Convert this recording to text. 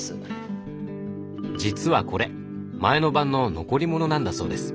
実はこれ前の晩の残り物なんだそうです。